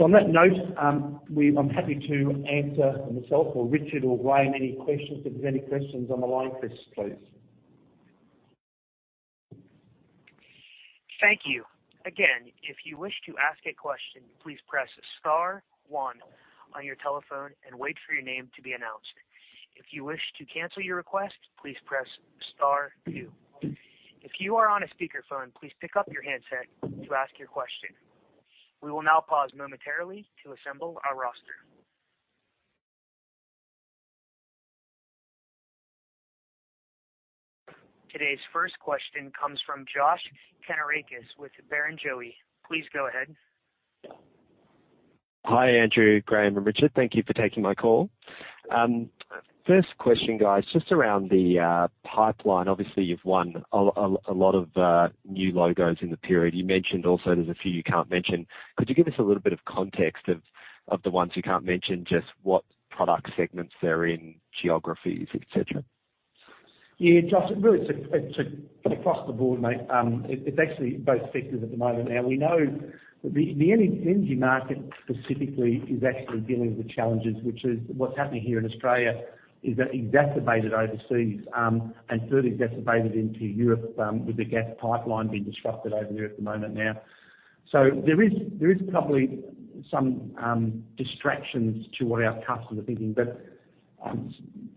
On that note, I'm happy to answer myself or Richard or Graeme any questions, if there's any questions on the line. Chris, please. Thank you. Again, if you wish to ask a question, please press star one on your telephone and wait for your name to be announced. If you wish to cancel your request, please press star two. If you are on a speaker phone, please pick up your handset to ask your question. We will now pause momentarily to assemble our roster. Today's first question comes from Josh Kannourakis with Barrenjoey. Please go ahead. Hi, Andrew, Graeme, and Richard. Thank you for taking my call. First question, guys, just around the pipeline. Obviously, you've won a lot of new logos in the period. You mentioned also there's a few you can't mention. Could you give us a little bit of context of the ones you can't mention, just what product segments they're in, geographies, etcetera? Yeah, Josh, really across the board, mate. It's actually both sectors at the moment. Now we know the energy market specifically is actually dealing with the challenges, which is what's happening here in Australia is exacerbated overseas, and further exacerbated into Europe, with the gas pipeline being disrupted over there at the moment now. There is probably some distractions to what our customers are thinking, but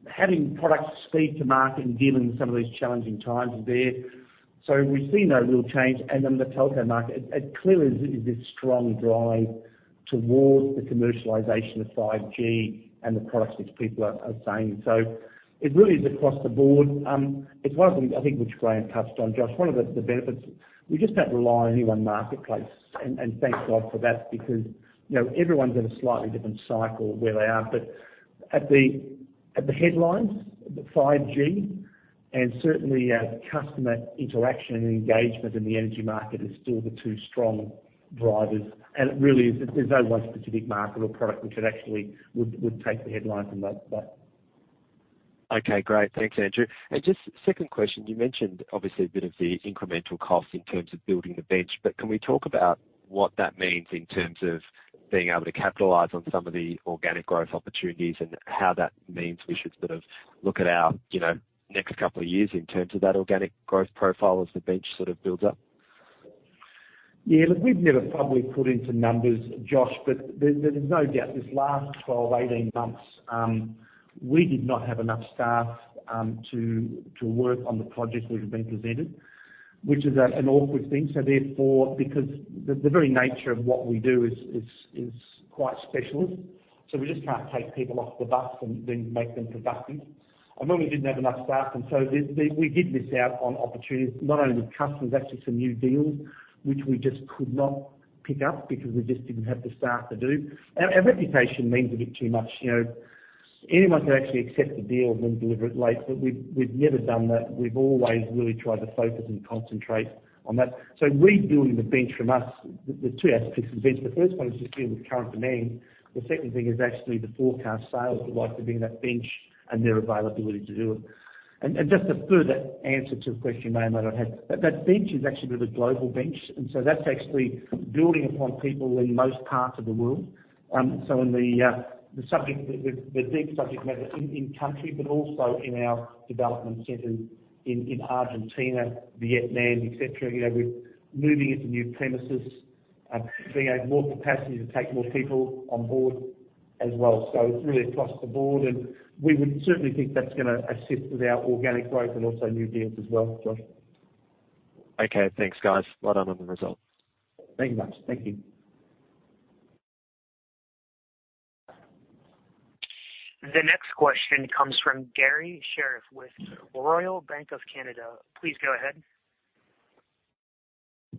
having products speed to market and dealing with some of these challenging times is there. We've seen no real change. In the telco market, it clearly is this strong drive towards the commercialization of 5G and the products which people are saying. It really is across the board. It's one of the benefits, I think, which Graeme touched on, Josh. We just don't rely on any one marketplace. Thank God for that because, you know, everyone's in a slightly different cycle where they are. At the headlines, the 5G and certainly our customer interaction and engagement in the energy market is still the two strong drivers. It really is, there's no one specific market or product which could actually would take the headlines on that, but. Okay, great. Thanks, Andrew. Just second question, you mentioned obviously a bit of the incremental cost in terms of building the bench, but can we talk about what that means in terms of being able to capitalize on some of the organic growth opportunities and how that means we should sort of look at our, you know, next couple of years in terms of that organic growth profile as the bench sort of builds up? Yeah. Look, we've never probably put into numbers, Josh, but there's no doubt this last 12, 18 months, we did not have enough staff to work on the projects we've been presented, which is an awkward thing. Therefore, because the very nature of what we do is quite special, we just can't take people off the bus and then make them productive. We didn't have enough staff and so we did miss out on opportunities, not only with customers, actually some new deals which we just could not pick up because we just didn't have the staff to do. Our reputation means a bit too much. You know, anyone can actually accept a deal and then deliver it late, but we've never done that. We've always really tried to focus and concentrate on that. Rebuilding the bench from us, there's two aspects of the bench. The first one is just dealing with current demand. The second thing is actually the forecast sales would like to be in that bench and their availability to do it. Just a further answer to the question you may or may not have. That bench is actually a bit of a global bench, and that's actually building upon people in most parts of the world. In the big subject matter in country, but also in our development centers in Argentina, Vietnam, et cetera. You know, we're moving into new premises, we have more capacity to take more people on board as well. It's really across the board and we would certainly think that's gonna assist with our organic growth and also new deals as well, Josh. Okay. Thanks, guys. Well done on the results. Thanks, Josh. Thank you. The next question comes from Garry Sherriff with Royal Bank of Canada. Please go ahead.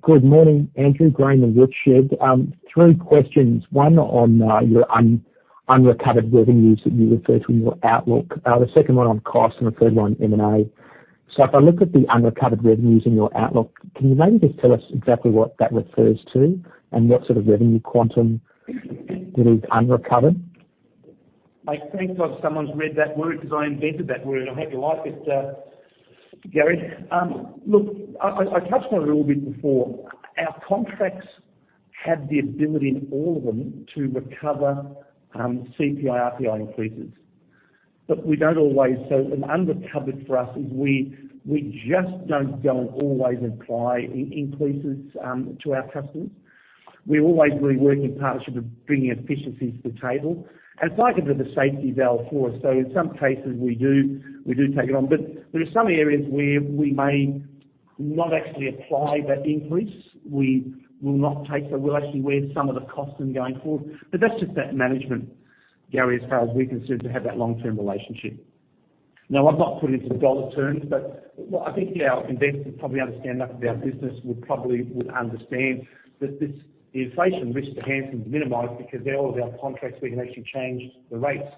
Good morning, Andrew Green with Rothschild & Co. Three questions, one on your unrecovered revenues that you refer to in your outlook. The second one on cost, and the third one M&A. If I look at the unrecovered revenues in your outlook, can you maybe just tell us exactly what that refers to and what sort of revenue quantum that is unrecovered? I thank God someone's read that word because I invented that word. I hope you like it, Gary. Look, I touched on it a little bit before. Our contracts have the ability in all of them to recover CPI, RPI increases. We don't always. An unrecovered for us is we just don't go and always apply increases to our customers. We always really work in partnership of bringing efficiencies to the table. It's like a bit of a safety valve for us. In some cases, we do take it on. There are some areas where we may not actually apply that increase. We'll actually wear some of the costs in going forward. That's just that management, Gary, as far as we're concerned, to have that long-term relationship. Now, I've not put it into dollar terms, but what I think our investors probably understand that our business would understand that this, the inflation risk to Hansen is minimized because all of our contracts, we can actually change the rates.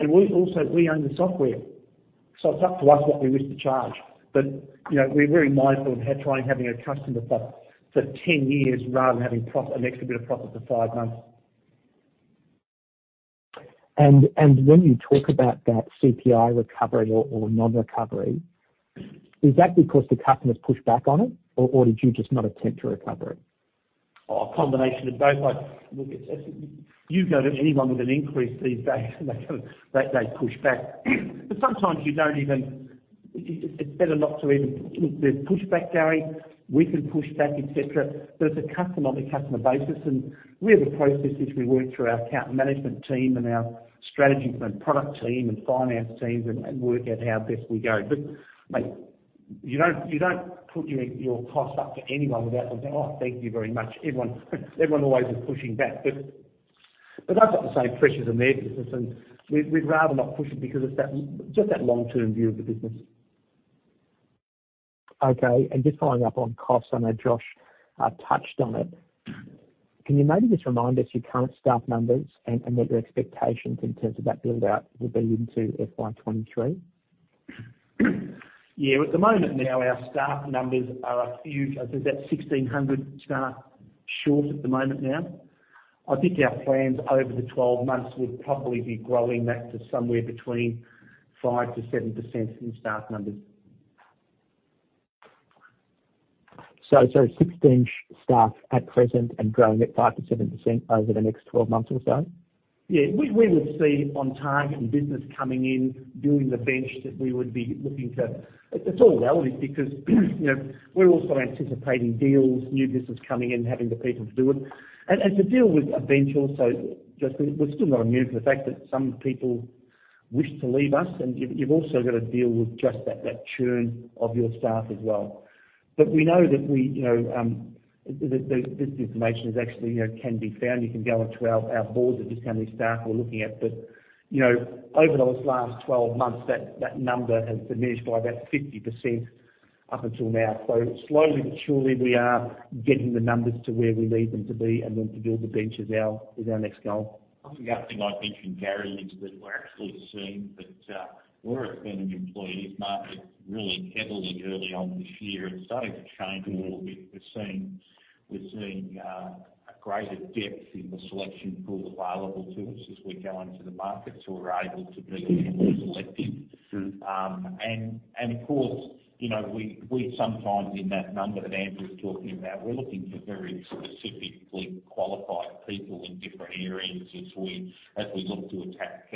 We also own the software, so it's up to us what we wish to charge. You know, we're very mindful of how trying having a customer for 10 years rather than having an extra bit of profit for five months. When you talk about that CPI recovery or non-recovery, is that because the customers pushed back on it or did you just not attempt to recover it? Oh, a combination of both. Like, look, it's. You go to anyone with an increase these days, and they push back. Sometimes you don't even. It's better not to even. Look, there's pushback, Gary. We can push back, et cetera. It's a customer-on-customer basis, and we have a process as we work through our account management team and our strategy and product team and finance teams and work out how best we go. Mate, you don't put your cost up to anyone without them going, "Oh, thank you very much." Everyone always is pushing back. They've got the same pressures in their business, and we'd rather not push it because it's that, just that long-term view of the business. Okay. Just following up on costs, I know Josh touched on it. Can you maybe just remind us your current staff numbers and what your expectations in terms of that build-out will be into FY23? Yeah. At the moment, our staff numbers are about, I think, 1,600 staff short at the moment. I think our plans over the 12 months would probably be growing that to somewhere between 5%-7% in staff numbers. 16 staff at present and growing at 5%-7% over the next 12 months or so? Yeah. We would see on target and business coming in, building the bench that we would be looking to. It's all relative because, you know, we're also anticipating deals, new business coming in, having the people to do it to deal with a bench also, Justin. We're still not immune from the fact that some people wish to leave us. You've also got to deal with just that churn of your staff as well. We know that, you know, this information is actually, you know, can be found. You can go onto our boards as to just how many staff we're looking at. You know, over those last 12 months, that number has diminished by about 50% up until now. Slowly but surely, we are getting the numbers to where we need them to be and then to build the bench is our next goal. I think the other thing I'd mention, Gary, is that we're actually seeing that it's a permanent employee's market really heavy early on this year. It's starting to change a little bit. We're seeing a greater depth in the selection pool available to us as we go into the market, so we're able to be a little more selective. Mm-hmm. Of course, you know, we sometimes in that number that Andrew's talking about, we're looking for very specifically qualified people in different areas as we look to attack,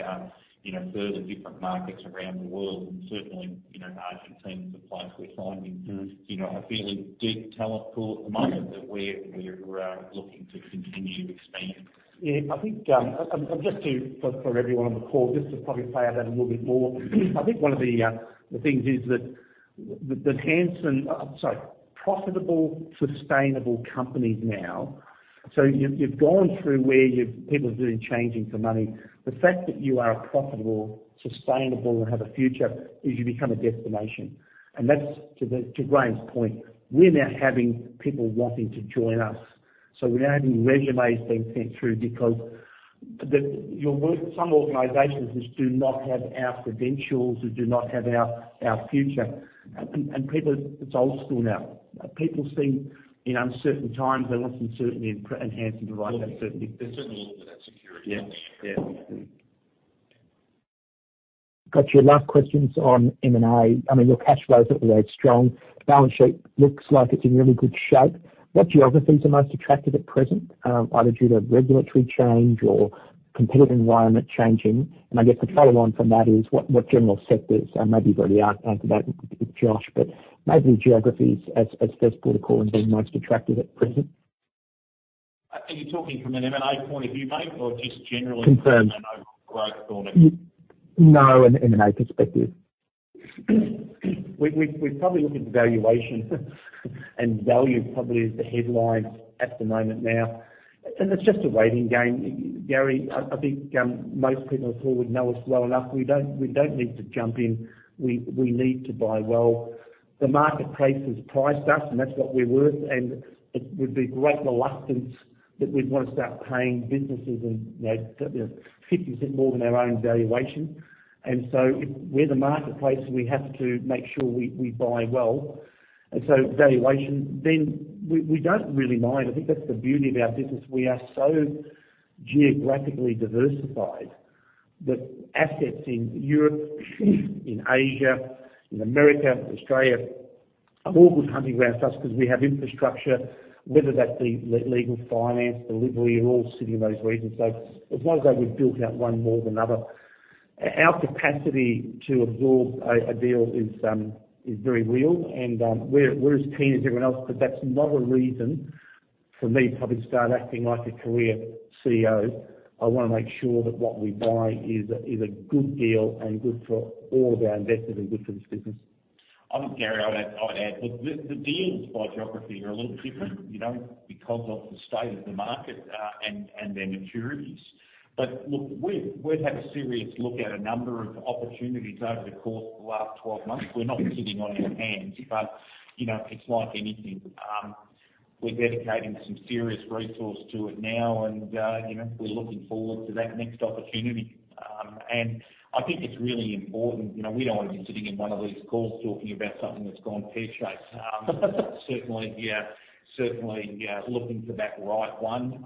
you know, further different markets around the world. Certainly, you know, Argentina is a place we're finding. Mm-hmm. You know, a fairly deep talent pool at the moment that we're looking to continue to expand. Yeah. I think for everyone on the call, just to probably play on that a little bit more. I think one of the things is that profitable, sustainable companies now. You've gone through where people are changing for money. The fact that you are profitable, sustainable, and have a future is you become a destination. That's to Graeme's point. We're now having people wanting to join us. We're now having resumes being sent through because there are some organizations that just do not have our credentials or do not have our future. People, it's old school now. People see in uncertain times, they want some certainty, and Hansen provides that certainty. There's certainly a little bit of that security. Yeah. Yeah. Mm-hmm. Got you. Last question's on M&A. I mean, your cash flows look very strong. Balance sheet looks like it's in really good shape. What geographies are most attractive at present, either due to regulatory change or competitive environment changing? I guess the follow on from that is what general sectors? Maybe you've already answered that with Josh, but maybe geographies as best broad call and being most attractive at present. Are you talking from an M&A point of view, mate? Or just generally? Concern. You know, growth product. No, an M&A perspective. We probably look at the valuation and value probably is the headline at the moment now, and it's just a waiting game. Gary, I think most people on the call would know us well enough. We don't need to jump in. We need to buy well. The marketplace has priced us, and that's what we're worth. It would be great reluctance that we'd want to start paying businesses and, you know, 50% more than our own valuation. We're the marketplace, we have to make sure we buy well. Valuation then we don't really mind. I think that's the beauty of our business. We are so geographically diversified that assets in Europe, in Asia, in America, Australia are all good hunting grounds for us because we have infrastructure, whether that be legal, finance, delivery, we're all sitting in those regions. As long as we've built out one more than another, our capacity to absorb a deal is very real. We're as keen as everyone else. That's not a reason for me to probably start acting like a career CEO. I wanna make sure that what we buy is a good deal and good for all of our investors and good for this business. I think, Gary, I'd add, look, the deals by geography are a little different, you know, because of the state of the market, and their maturities. Look, we've had a serious look at a number of opportunities over the course of the last 12 months. We're not sitting on our hands, but, you know, it's like anything. We're dedicating some serious resource to it now. You know, we're looking forward to that next opportunity. I think it's really important. You know, we don't want to be sitting in one of these calls talking about something that's gone pear-shaped. Certainly, yeah, looking for that right one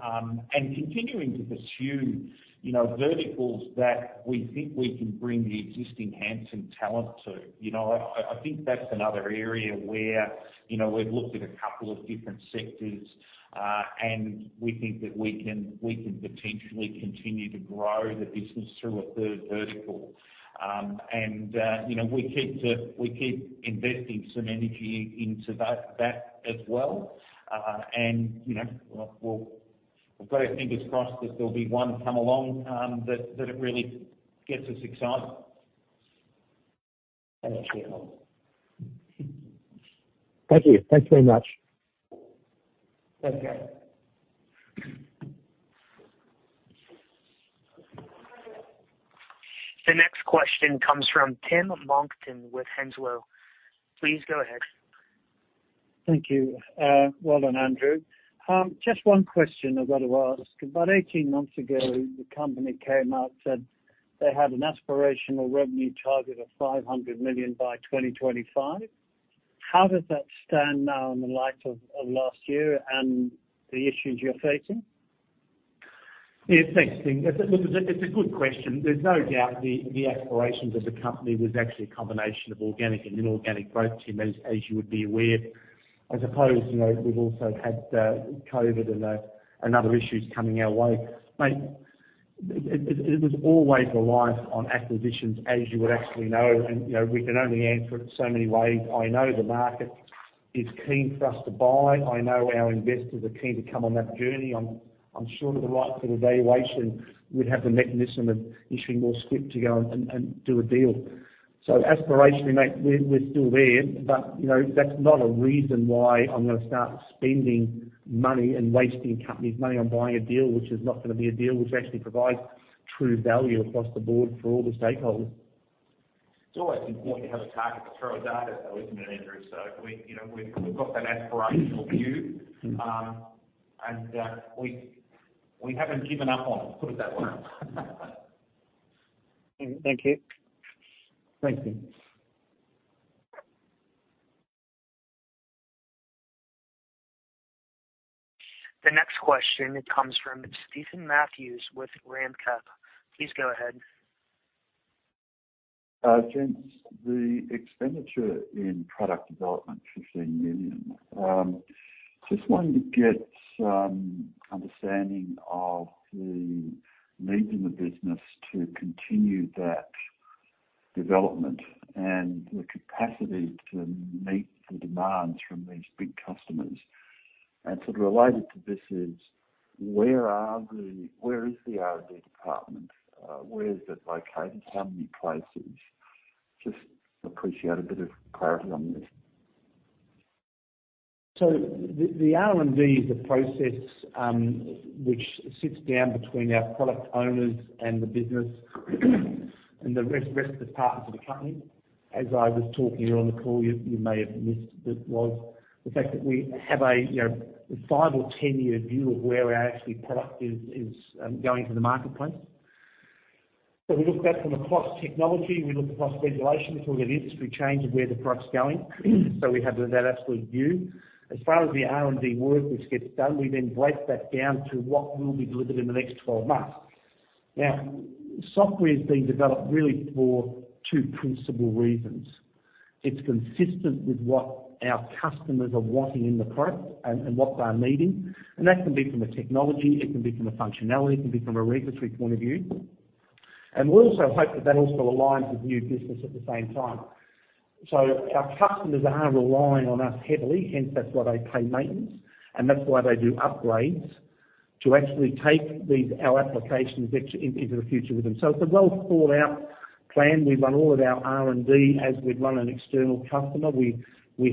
and continuing to pursue, you know, verticals that we think we can bring the existing Hansen talent to. You know, I think that's another area where, you know, we've looked at a couple of different sectors, and we think that we can potentially continue to grow the business through a third vertical. You know, we keep investing some energy into that as well. You know, we've got our fingers crossed that there'll be one come along that really gets us excited. Thank you. Thank you. Thanks very much. Thanks, Garry. The next question comes from Tim Monckton with Henslow. Please go ahead. Thank you. Well done, Andrew. Just one question I've got to ask. About 18 months ago, the company came out and said they had an aspirational revenue target of 500 million by 2025. How does that stand now in the light of last year and the issues you're facing? Yeah, thanks, Tim. It's a good question. There's no doubt the aspirations of the company was actually a combination of organic and inorganic growth, Tim, as you would be aware. I suppose, you know, we've also had COVID and other issues coming our way. Mate, it was always reliant on acquisitions, as you would actually know. You know, we can only answer it so many ways. I know the market is keen for us to buy. I know our investors are keen to come on that journey. I'm sure with the right sort of valuation, we'd have the mechanism of issuing more scrip to go and do a deal. Aspirationally, mate, we're still there. You know, that's not a reason why I'm gonna start spending money and wasting company's money on buying a deal which is not gonna be a deal which actually provides true value across the board for all the stakeholders. It's always important to have a target to throw a dart at, though, isn't it, Andrew? We, you know, we've got that aspirational view. We haven't given up on it, put it that way. Thank you. Thanks, Tim. The next question comes from Stephen Matthews with RAM Partners. Please go ahead. Gents, the expenditure in product development, 15 million. Just wanted to get some understanding of the needs in the business to continue that development and the capacity to meet the demands from these big customers. Sort of related to this is where is the R&D department? Where is it located? How many places? Just appreciate a bit of clarity on this. The R&D is a process which sits down between our product owners and the business and the rest of the partners of the company. As I was talking earlier on the call, you may have missed it, was the fact that we have a, you know, five- or 10-year view of where our actual product is going to the marketplace. We look at that from across technology, we look across regulation, we talk about industry change of where the product's going. We have that absolute view. As far as the R&D work, which gets done, we then break that down to what will be delivered in the next 12 months. Now, software is being developed really for two principal reasons. It's consistent with what our customers are wanting in the product and what they are needing. That can be from a technology, it can be from a functionality, it can be from a regulatory point of view. We also hope that that also aligns with new business at the same time. Our customers are relying on us heavily, hence that's why they pay maintenance, and that's why they do upgrades. To actually take these, our applications extend into the future with them. It's a well-thought-out plan. We run all of our R&D as we'd run an external customer. We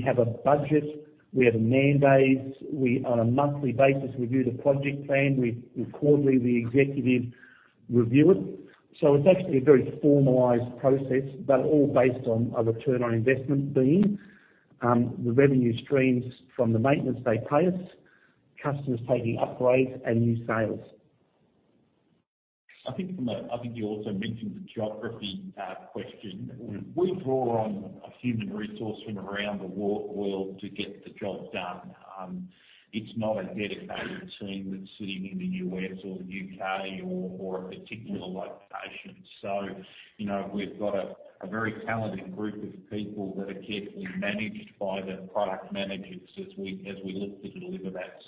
have a budget. We have a mandate. We on a monthly basis review the project plan. We quarterly, the executive review it. It's actually a very formalized process, but all based on a return on investment being the revenue streams from the maintenance they pay us, customers taking upgrades and new sales. I think you also mentioned the geography question. We draw on a human resource from around the world to get the job done. It's not a dedicated team that's sitting in the US or the UK or a particular location. You know, we've got a very talented group of people that are carefully managed by the product managers as we look to deliver that.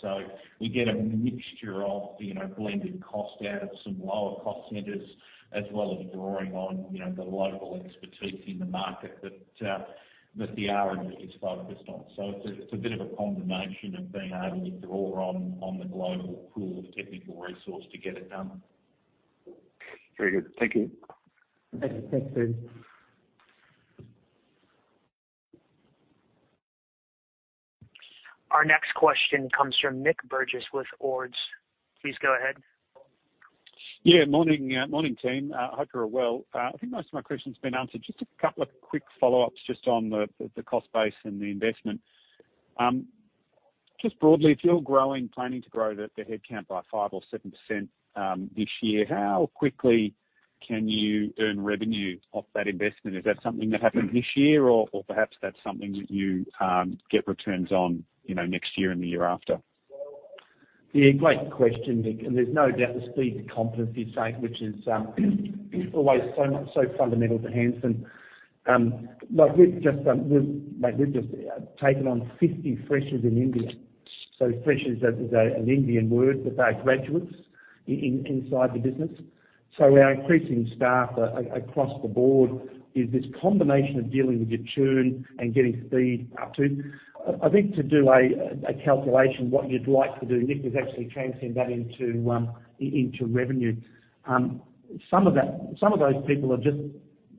We get a mixture of, you know, blended cost out of some lower cost centers, as well as drawing on, you know, the local expertise in the market that the R&D is focused on. It's a bit of a combination of being able to draw on the global pool of technical resource to get it done. Very good. Thank you. Thanks. Thanks, David. Our next question comes from Nick Burgess with Ord Minnett. Please go ahead. Yeah. Morning, team. Hope you're well. I think most of my question's been answered. Just a couple of quick follow-ups just on the cost base and the investment. Broadly, if you're planning to grow the headcount by 5% or 7% this year, how quickly can you earn revenue off that investment? Is that something that happens this year or perhaps that's something that you get returns on, you know, next year and the year after? Yeah, great question, Nick. There's no doubt the speed to competency, which is always so fundamental to Hansen. Like, we've just taken on 50 freshers in India. Freshers is an Indian word for graduates inside the business. Our increasing staff across the board is this combination of dealing with the churn and getting speed up to. I think to do a calculation, what you'd like to do, Nick, is actually translate that into revenue. Some of those people are just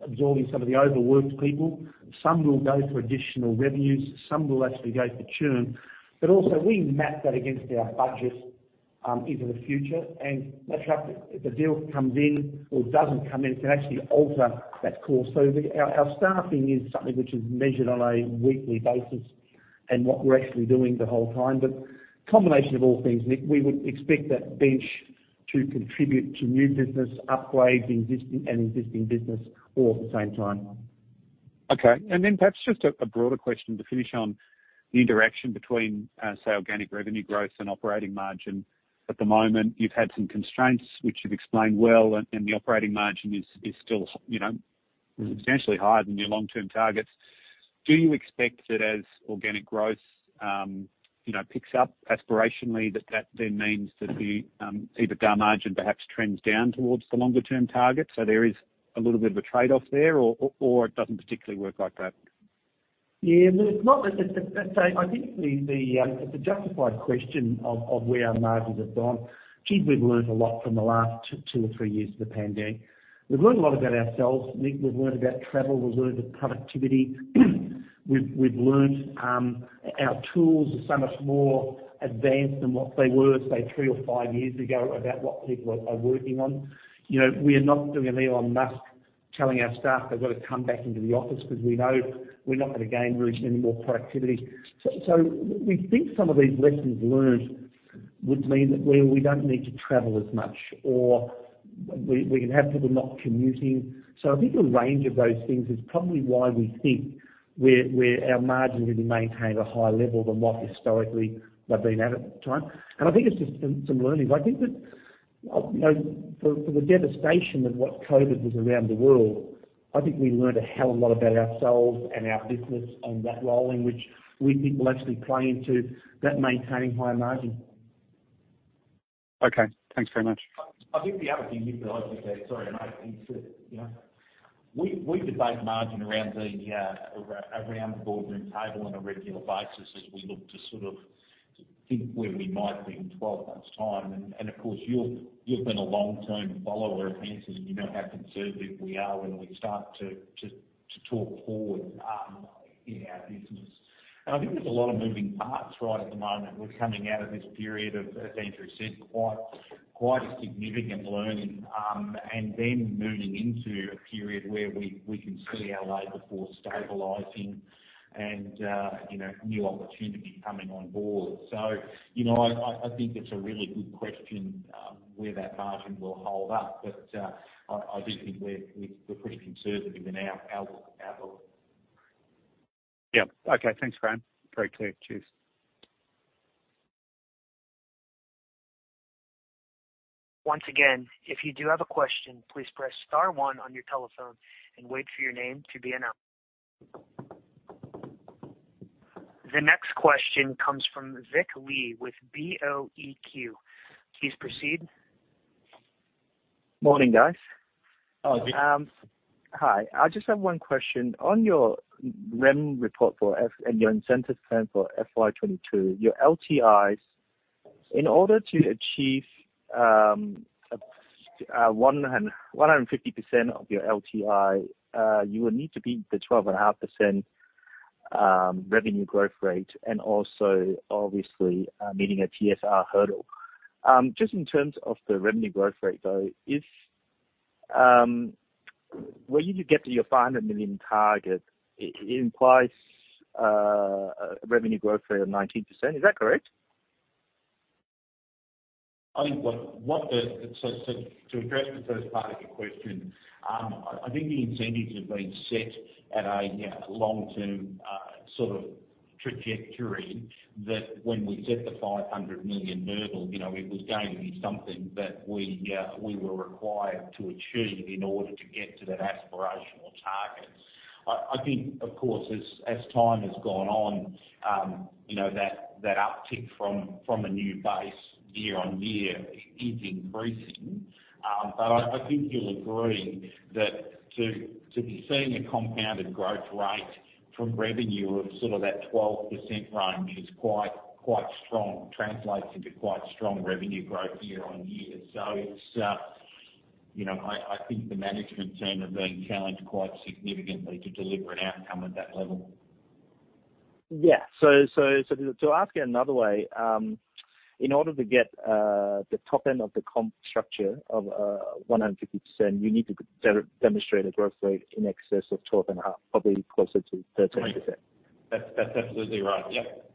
absorbing some of the overworked people. Some will go for additional revenues, some will actually go for churn. We also map that against our budget into the future. Actually, if a deal comes in or doesn't come in, it can actually alter that course. Our staffing is something which is measured on a weekly basis and what we're actually doing the whole time. Combination of all things, Nick, we would expect that bench to contribute to new business upgrades, existing business all at the same time. Okay. Then perhaps just a broader question to finish on the interaction between, say, organic revenue growth and operating margin. At the moment you've had some constraints which you've explained well, and the operating margin is still, you know, substantially higher than your long-term targets. Do you expect that as organic growth, you know, picks up aspirationally that then means that the EBITDA margin perhaps trends down towards the longer term target, so there is a little bit of a trade-off there, or it doesn't particularly work like that? Yeah. Look, it's not that. I think it's a justified question of where our margins have gone. Gee, we've learned a lot from the last two or three years of the pandemic. We've learned a lot about ourselves, Nick. We've learned about travel. We've learned our tools are so much more advanced than what they were, say, three or five years ago about what people are working on. You know, we are not doing an Elon Musk telling our staff they've got to come back into the office because we know we're not gonna gain really any more productivity. We think some of these lessons learned would mean that we don't need to travel as much or we can have people not commuting. I think a range of those things is probably why we think we're our margin will be maintained at a higher level than what historically they've been at the time. I think it's just some learnings. I think that, you know, for the devastation of what COVID was around the world, I think we learned a hell of a lot about ourselves and our business and that role in which we think will actually play into that maintaining higher margin. Okay. Thanks very much. I think the other thing, Nick, that I would say, sorry, mate, is that, you know, we debate margin around the boardroom table on a regular basis as we look to sort of think where we might be in 12 months' time. Of course, you've been a long-term follower of Hansen. You know how conservative we are when we start to talk forward in our business. I think there's a lot of moving parts right at the moment. We're coming out of this period, as Andrew said, of quite a significant learning, and then moving into a period where we can see our labor force stabilizing and, you know, new opportunity coming on board. You know, I think it's a really good question, where that margin will hold up. I do think we're pretty conservative in our outlook. Yeah. Okay. Thanks, Graeme. Very clear. Cheers. Once again, if you do have a question, please press star one on your telephone and wait for your name to be announced. The next question comes from Vic Lee with BOQ. Please proceed. Morning, guys. Oh, good. Hi. I just have one question. On your REM report for FY and your incentive plan for FY22, your LTIs, in order to achieve a 150% of your LTI, you will need to beat the 12.5% revenue growth rate and also obviously meeting a TSR hurdle. Just in terms of the revenue growth rate, though, when you get to your 500 million target, it implies a revenue growth rate of 19%. Is that correct? To address the first part of your question, I think the incentives have been set at a, you know, long-term sort of trajectory that when we set the 500 million hurdle, you know, it was going to be something that we were required to achieve in order to get to that aspirational target. I think of course, as time has gone on, you know, that uptick from a new base year-on-year is increasing. But I think you'll agree that to be seeing a compounded growth rate from revenue of sort of that 12% range is quite strong, translates into quite strong revenue growth year-on-year. It's, you know, I think the management team have been challenged quite significantly to deliver an outcome at that level. To ask you another way, in order to get the top end of the comp structure of 150%, you need to demonstrate a growth rate in excess of 12.5%, probably closer to 13%. That's absolutely right, yep.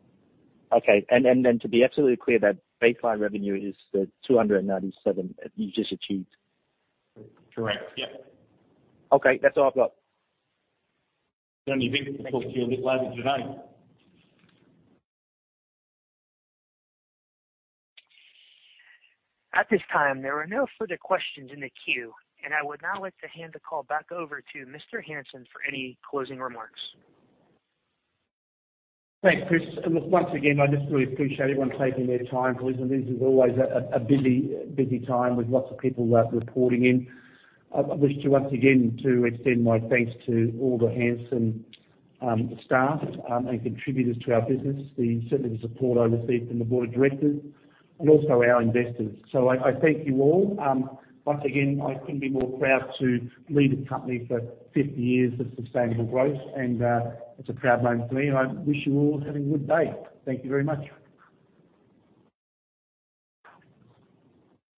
Okay. To be absolutely clear, that baseline revenue is the 297 that you just achieved? Correct. Yep. Okay. That's all I've got. Don't you think? Thank you. At this time, there are no further questions in the queue, and I would now like to hand the call back over to Mr. Hansen for any closing remarks. Thanks, Chris. Look, once again, I just really appreciate everyone taking their time to listen. This is always a busy time with lots of people reporting in. I wish to once again extend my thanks to all the Hansen staff and contributors to our business, especially the support I received from the board of directors and also our investors. I thank you all. Once again, I couldn't be more proud to lead a company for 50 years of sustainable growth and it's a proud moment for me, and I wish you all have a good day. Thank you very much.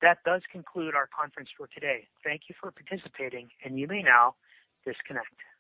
That does conclude our conference for today. Thank you for participating, and you may now disconnect.